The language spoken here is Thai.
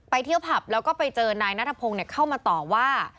เที่ยวผับแล้วก็ไปเจอนายนัทพงศ์เข้ามาต่อว่า